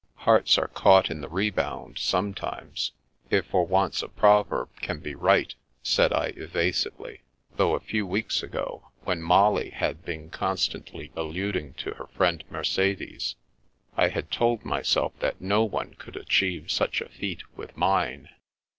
" Hearts are caught in the rebound sometimes, if for once a proverb can be right," said I evasively; though a few wedcs ago, when Molly had been con stantly alluding to her friend Mercedes, I had told myself that no one could achieve such a feat with mine.